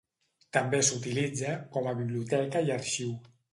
També s'utilitza com a biblioteca i arxiu.